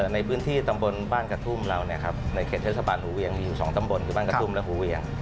ในพื้นที่ตำบลบ้านกระทุ่มเราในเขตเทศบาลหูเวียงมีอยู่๒ตำบลคือบ้านกระทุ่มและหูเวียง